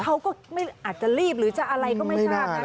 เขาก็อาจจะรีบหรือจะอะไรก็ไม่ทราบนะ